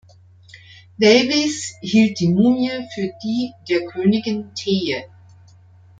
Davis hielt die Mumie für die der Königin Teje.